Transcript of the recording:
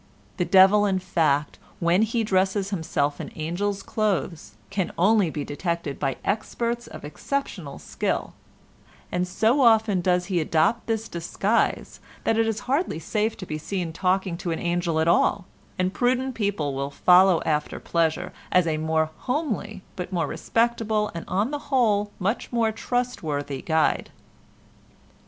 The devil, in fact, when he dresses himself in angel's clothes, can only be detected by experts of exceptional skill, and so often does he adopt this disguise that it is hardly safe to be seen talking to an angel at all, and prudent people will follow after pleasure as a more homely but more respectable and on the whole much more trustworthy guide.